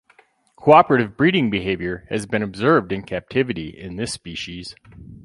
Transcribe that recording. Cooperative breeding behavior has been observed in captivity in this species.